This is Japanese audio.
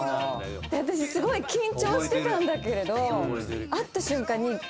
私すごい緊張してたんだけれど会った瞬間に。